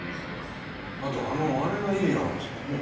あとあのあれが意味がちょっとね。